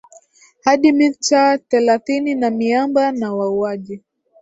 hadi mita thelathini na miamba na wauaji